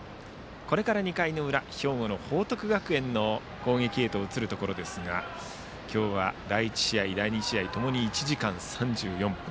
これから２回の裏兵庫の報徳学園の攻撃へ移るところですが今日は第１試合、第２試合ともに１時間３４分。